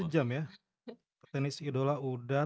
diany s idola udah